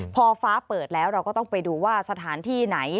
พอฟ้าเปิดแล้วเราก็ต้องไปดูว่าสถานที่ไหน